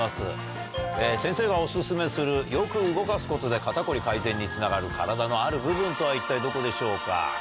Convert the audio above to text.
先生がお薦めするよく動かすことで肩こり改善につながる体のある部分とは一体どこでしょうか？